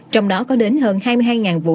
trong đó có đến hơn hai mươi hai vụ